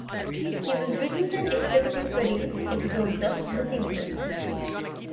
He has written and executive produced episodes of "The Simpsons".